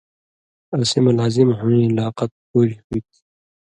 اسی مہ لازِم ہُوئیں لاقَت پُوریۡ ہُوئ تھی